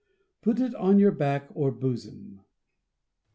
Put it on your back or bosom.